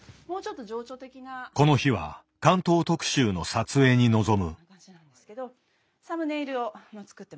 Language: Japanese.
この日は巻頭特集の撮影に臨む。